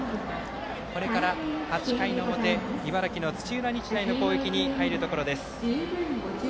これから、８回の表茨城、土浦日大の攻撃に入るところです。